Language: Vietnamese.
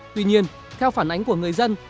tuy nhiên theo phản ánh của người dân